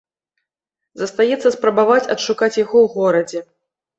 Застаецца спрабаваць адшукаць яго ў горадзе.